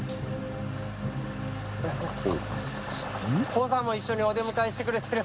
コウさんも一緒にお出迎えしてくれてる。